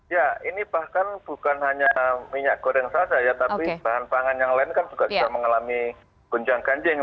ya ini bahkan bukan hanya minyak goreng saja ya tapi bahan pangan yang lain kan juga bisa mengalami guncang ganjing